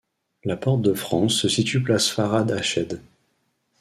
La porte de France se situe place Farhat-Hached.